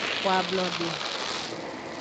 Xo ablode.